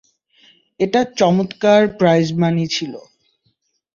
এটা চমৎকার প্রাইজমানি ছিলো।